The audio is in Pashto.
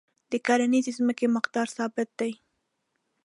د کرنیزې ځمکې مقدار ثابت دی.